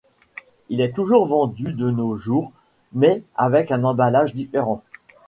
Il est toujours vendu de nos jours, mais avec un emballage différent.